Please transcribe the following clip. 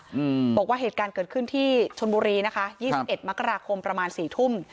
อืมบอกว่าเหตุการณ์เกิดขึ้นที่ชนบุรีนะคะยี่สิบเอ็ดมกราคมประมาณสี่ทุ่ม